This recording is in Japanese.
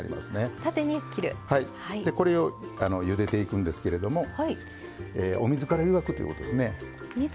でこれをゆでていくんですけれどもお水から湯がくということですね。